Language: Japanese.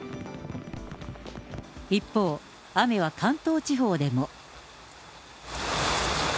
一方、雨は関東地方でも。